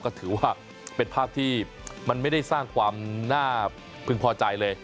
ก็ถือว่าเป็นภาพที่มันไม่ได้สร้างความน่าพึงพอใจเลย